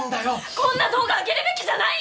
こんな動画上げるべきじゃないよ！